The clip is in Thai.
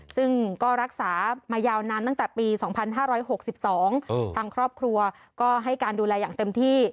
ซึ่งก็รักษามายาวนานตั้งแต่ปี๒๕๖๒ทางครอบครัวก็ให้การดูแลอย่างเต็มที่